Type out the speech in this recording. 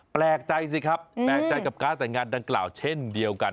แปลกใจสิครับแปลกใจกับการแต่งงานดังกล่าวเช่นเดียวกัน